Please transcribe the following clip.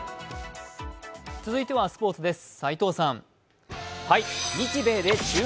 続いてはスポーツです。